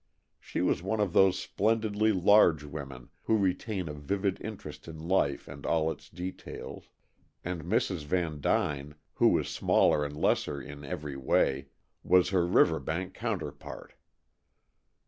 She was one of those splendidly large women who retain a vivid interest in life and all its details, and Mrs. Vandyne, who was smaller and lesser in every way, was her Riverbank counterpart.